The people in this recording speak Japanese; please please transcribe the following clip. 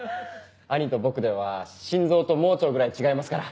兄と僕では心臓と盲腸ぐらい違いますから。